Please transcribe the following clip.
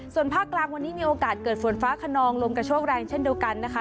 ส่วนภาคกลางวันนี้มีโอกาสเกิดฝนฟ้าขนองลมกระโชกแรงเช่นเดียวกันนะคะ